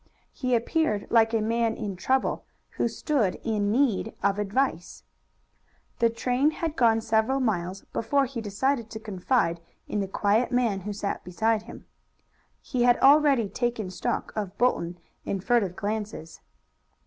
He appeared like a man in trouble who stood in need of advice. The train had gone several miles before he decided to confide in the quiet man who sat beside him. He had already taken stock of Bolton in furtive glances.